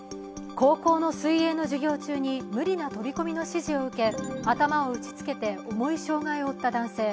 高校の水泳の授業中に無理な飛び込みの指示を受け頭を打ちつけて重い障害を負った男性。